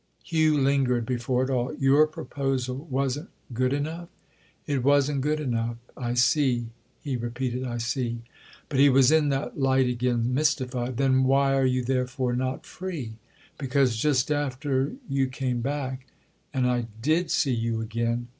Hugh lingered before it all. "Your proposal wasn't 'good enough'?" "It wasn't good enough." "I see," he repeated—"I see." But he was in that light again mystified. "Then why are you therefore not free?" "Because—just after—you came back, and I did see you again!"